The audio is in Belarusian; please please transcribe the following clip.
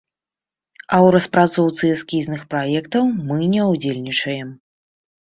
А ў распрацоўцы эскізных праектаў мы не ўдзельнічаем.